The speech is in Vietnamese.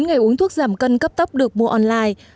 sau bốn ngày uống thuốc giảm cân cấp tấp được mua online